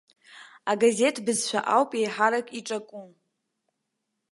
Агазеҭ бызшәа ауп еиҳарак иҿаку.